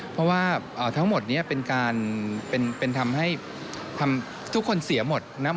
เพราะว่าทั้งหมดนี้เป็นการเป็นทำให้ทุกคนเสียหมดนะ